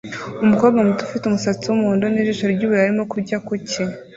Umukobwa muto ufite umusatsi wumuhondo nijisho ryubururu arimo kurya kuki